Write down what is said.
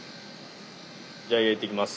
じゃあ焼いてきます。